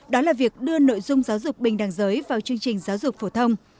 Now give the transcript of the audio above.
đó là việc đưa nội dung giáo dục bình đẳng giới vào chương trình giáo dục phổ thông